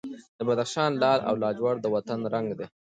د بدخشان لعل او لاجورد د وطن رنګ دی.